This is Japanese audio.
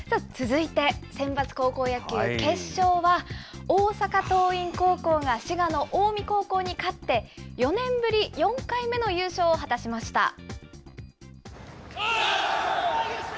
続いて、センバツ高校野球決勝は、大阪桐蔭高校が滋賀の近江高校に勝って、４年ぶり４回目の優勝を果たしました。